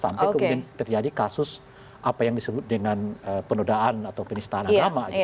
sampai kemudian terjadi kasus apa yang disebut dengan penodaan atau penistaan agama